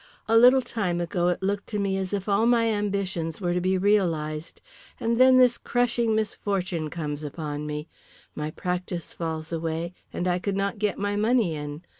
A little time ago it looked to me as if all my ambitions were to be realised. And then this crushing misfortune comes upon me. My practice falls away, and I could not get my money in.